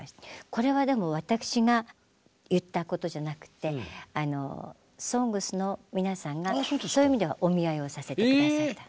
これは私が言ったことじゃなくて「ＳＯＮＧＳ」の皆さんがそういう意味ではお見合いをさせて下さった。